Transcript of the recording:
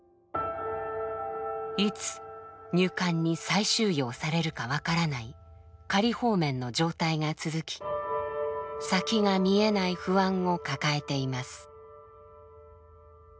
いつ入管に再収容されるか分からない「仮放免」の状態が続き先が見えない不安を抱えています。